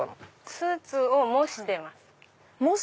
スーツを模してます。